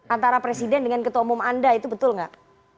antara presiden dengan ketua umum anda itu betul nggak